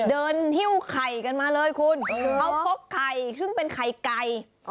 หิ้วไข่กันมาเลยคุณเขาพกไข่ซึ่งเป็นไข่ไก่